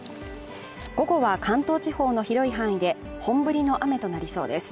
午後は関東地方の広い範囲で本降りの雨となりそうです。